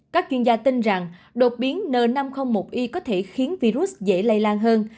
các chuyên gia tin rằng đột biến n năm trăm linh một i có thể khiến virus dễ lây lan hơn